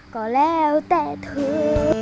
ก็แล้วแต่เธอ